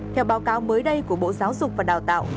theo báo cáo mới đây của bộ giáo dục và đào tạo